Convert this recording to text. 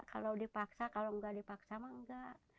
kalau dipaksa kalau tidak dipaksa tidak ada masalah